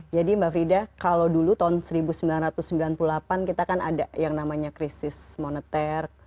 jadi mbak frida kalau dulu tahun seribu sembilan ratus sembilan puluh delapan kita kan ada yang namanya krisis moneter